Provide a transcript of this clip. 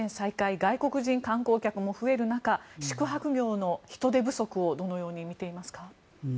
外国人観光客も増える中宿泊業の人手不足をどのように見ていますか？